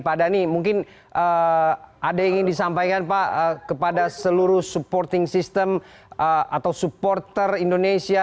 pak dhani mungkin ada yang ingin disampaikan pak kepada seluruh supporting system atau supporter indonesia